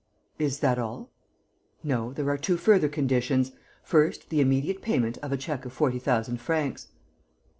"Is that all?" "No, there are two further conditions: first, the immediate payment of a cheque for forty thousand francs."